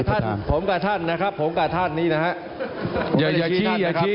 ท่านผมกับท่านนะครับผมกับท่านนี้นะฮะอย่าคิดอย่าคิด